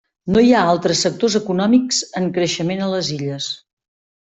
No hi ha altres sectors econòmics en creixement a les illes.